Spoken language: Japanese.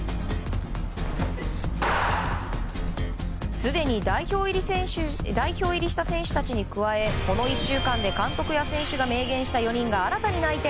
すでに代表入りした選手たちに加えこの１週間で監督や選手が明言した４人が新たに内定。